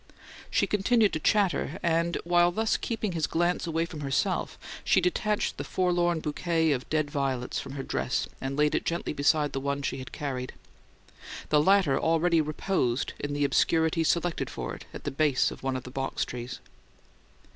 She continued to chatter, and, while thus keeping his glance away from herself, she detached the forlorn bouquet of dead violets from her dress and laid it gently beside the one she had carried. The latter already reposed in the obscurity selected for it at the base of one of the box trees.